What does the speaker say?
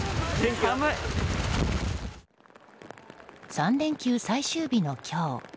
３連休最終日の今日